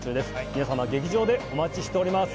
皆様劇場でお待ちしております